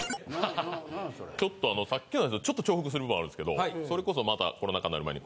ちょっとあのさっきのやつとちょっと重複する部分あるんですけどそれこそまだコロナ禍なる前に。